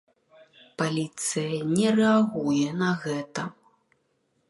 Паліцыя не рэагуе на гэта.